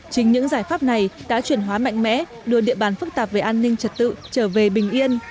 chính những giải pháp này đã chuyển hóa mạnh mẽ đưa địa bàn phức tạp về an ninh trật tự trở về bình yên